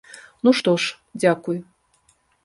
Ну што ж, дзякуй.